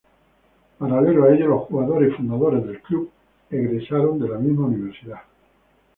Paralelo a ello, los jugadores y fundadores del club egresaron de la misma universidad.